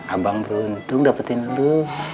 abang beruntung dapetin lu